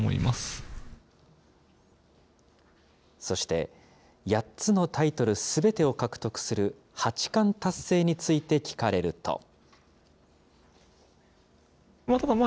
そして８つのタイトルすべてを獲得する八冠達成について聞かれると。